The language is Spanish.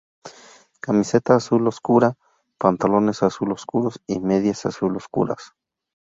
Camiseta azul oscura, pantalones azul oscuros y medias azul oscuras.